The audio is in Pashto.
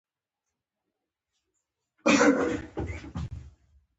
ځینې پنسلونه شفاف بڼه لري او دننه یې مواد ښکاري.